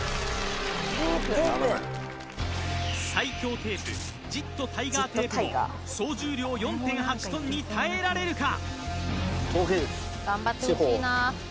最強テープジットタイガーテープも総重量４．８ｔに耐えられるか？